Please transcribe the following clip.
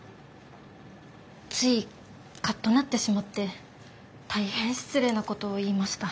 ついカッとなってしまって大変失礼なことを言いました。